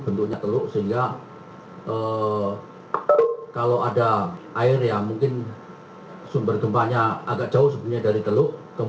bentuknya teluk sehingga kalau ada air ya mungkin sumber gempanya agak jauh sebenarnya dari teluk